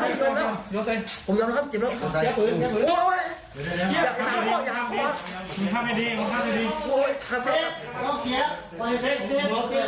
ข้างดีข้างดี